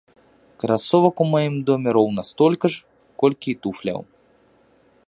Красовак у маім доме роўна столькі ж, колькі і туфляў!